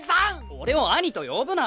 俺を義兄と呼ぶな！